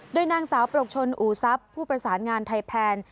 โดยนางสาวปรกชนอู่ทรัพย์ผู้ประสานงานไทยแพน